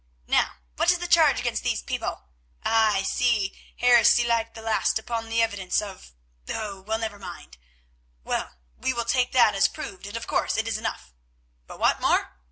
Now what is the charge against these people? Ah! I see, heresy like the last upon the evidence of—oh! well, never mind. Well, we will take that as proved, and, of course, it is enough. But what more?